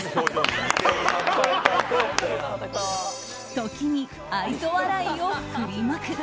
時に愛想笑いを振りまく。